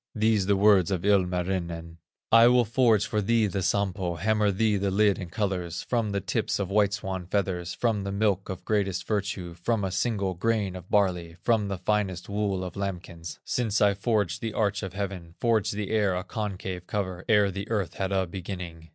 These the words of Ilmarinen: "I will forge for thee the Sampo, Hammer thee the lid in colors, From the tips of white swan feathers, From the milk of greatest virtue, From a single grain of barley, From the finest wool of lambkins, Since I forged the arch of heaven, Forged the air a concave cover, Ere the earth had a beginning."